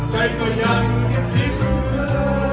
ใจก็ยังเห็นทิ้งเมื่อ